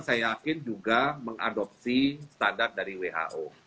saya yakin juga mengadopsi standar dari who